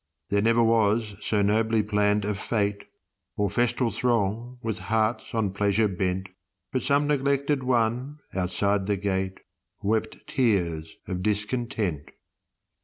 There never was so nobly planned a f├¬te, Or festal throng with hearts on pleasure bent, But some neglected one outside the gate Wept tears of discontent.